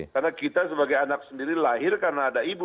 karena kita sebagai anak sendiri lahir karena ada ibu